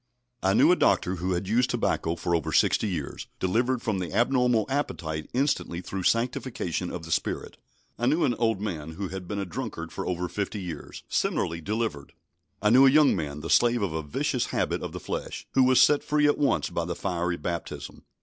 I knew a doctor, who had used tobacco for over sixty years, delivered from the abnormal appetite instantly through sanctification of the Spirit. I knew an old man, who had been a drunkard for over fifty years, similarly delivered. I knew a young man, the slave of a vicious habit of the flesh, who was set free at once by the fiery baptism.